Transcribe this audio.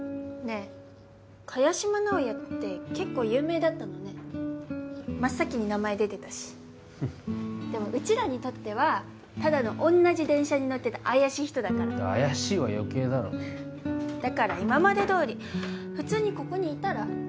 え萱島直哉って結構有名だったのね真っ先に名前出てたしフンッでもうちらにとってはただのおんなじ電車に乗ってた怪しい人だから怪しいは余計だろだから今までどおり普通にここにいたら？